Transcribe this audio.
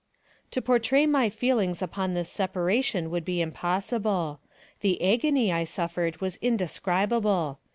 To portray my feelings upon this separation would be impossible. The agony I suffered was indescribable.